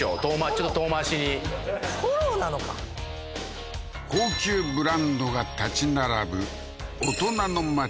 ちょっと遠回しにフォローなのか高級ブランドが建ち並ぶ大人の街